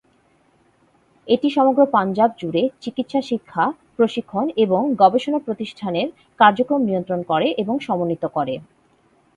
এটি সমগ্র পাঞ্জাব জুড়ে চিকিৎসা শিক্ষা, প্রশিক্ষণ এবং গবেষণা প্রতিষ্ঠানের কার্যক্রম নিয়ন্ত্রণ করে এবং সমন্বিত করে।